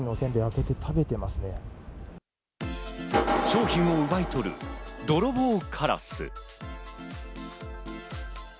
商品を奪い取る泥棒カラス。